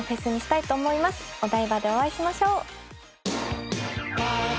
お台場でお会いしましょう。